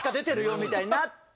みたいになって。